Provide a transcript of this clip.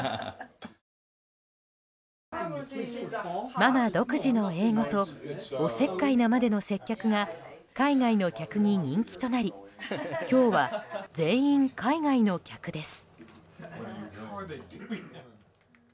ママ独自の英語とおせっかいなまでの接客が海外の客に人気となり今日は全員海外の客です。